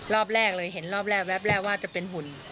รอบแรกเลยเห็นรอบแรกแวบแรกว่าจะเป็นหุ่น